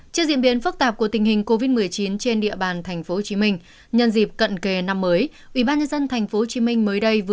trước diễn biến phức tạp của tình hình covid một mươi chín trên địa bàn tp hcm nhân dịp cận kề năm mới